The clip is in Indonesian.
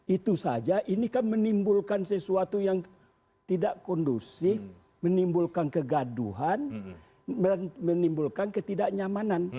itu saja ini kan menimbulkan sesuatu yang tidak kondusif menimbulkan kegaduhan menimbulkan ketidaknyamanan